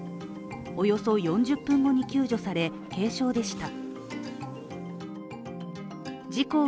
およそ４０分後に救助され、軽傷でした。